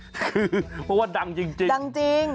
เพราะว่าดังจริงดังจริง